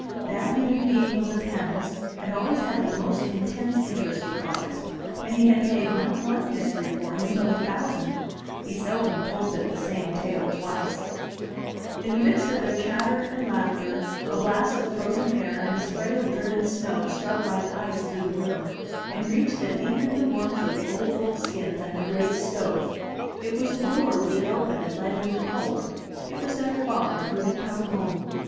That human being on the panels, had always had the most intense interest for August, and he had made, not one history for him, but a thousand; he seldom told them the same tale twice. 290 THE TREASURE CHEST In the midst of their chatter and laughter a blast of frozen air and a spray of driven snow struck like ice through the room, and reached them even in the warmth of the old wolf skins and the great stove. It was the door which had opened and let in the cold; it was their father who had come home.